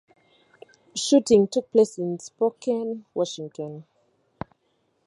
Shooting took place in Spokane, Washington.